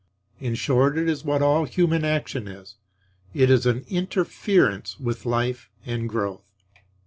In short, it is what all human action is; it is an interference with life and growth.